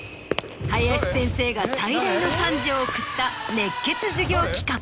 林先生が最大の賛辞を送った熱血授業企画。